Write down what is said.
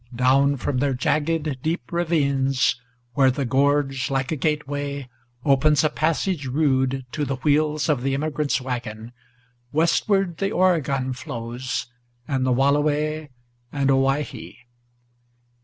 Down from their jagged, deep ravines, where the gorge, like a gateway, Opens a passage rude to the wheels of the emigrant's wagon, Westward the Oregon flows and the Walleway and Owyhee.